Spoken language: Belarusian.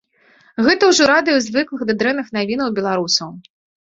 Гэта ўжо радуе звыклых да дрэнных навінаў беларусаў.